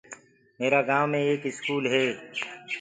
ميرآ گائونٚ مي ايڪ اسڪول هي۔